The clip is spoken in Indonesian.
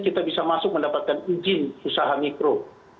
kita bisa masuk mendapatkan izin usaha mikro